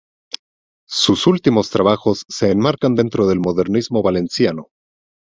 Sus últimos trabajos se enmarcan dentro del modernismo valenciano.